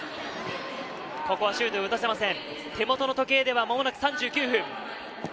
ここはシュートを打たせません、手元の時計では間もなく３９分。